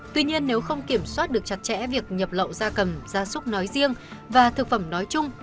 tuy nhiên nếu không kiểm soát được chặt chẽ việc nhập lậu da cầm da súc nói riêng và thực phẩm nói chung